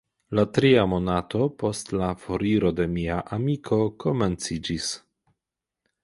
La tria monato post la foriro de mia amiko komenciĝis.